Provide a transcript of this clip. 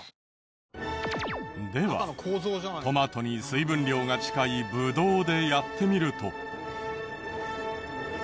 ではトマトに水分量が近いブドウでやってみると。